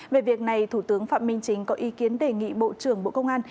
về việc này thủ tướng phạm minh chính có ý kiến đề nghị bộ trưởng bộ công an